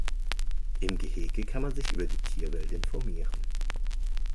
Im Gehege kann man sich über die Tierwelt informieren.